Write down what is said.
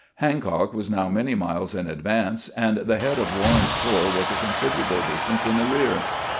Hancock was now many mUes in advance, and the head of Warren's corps was a considerable distance in the rear.